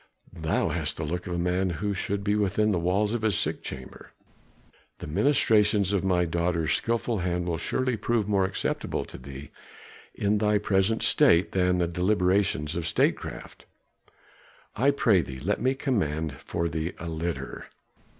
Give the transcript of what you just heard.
Thou hast the look of a man who should be within the walls of his sick chamber. The ministrations of my daughter's skilful hand will surely prove more acceptable to thee in thy present state than the deliberations of statecraft. I pray thee let me command for thee a litter."